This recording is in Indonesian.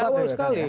di awal sekali